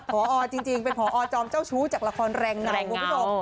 ผอจริงเป็นผอจอมเจ้าชู้จากละครแรงเหงา